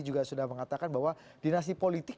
juga sudah mengatakan bahwa dinasti politik